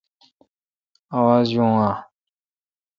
آواز یوین اؘ